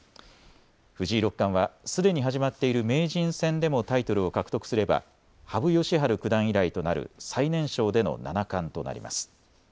藤井六冠はすでに始まっている名人戦でもタイトルを獲得すれば羽生善治九段以来となる最年少での七冠となります。